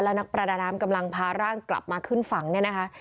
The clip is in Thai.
นักประดาน้ำกำลังพาร่างกลับมาขึ้นฝั่งเนี่ยนะคะ